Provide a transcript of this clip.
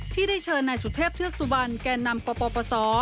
ที่ได้เชิญนายสุเทพเทือกสุบันแก่นำปปศ